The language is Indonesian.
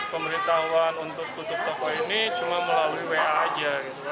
pemberitahuan untuk tutup toko ini cuma melalui wa aja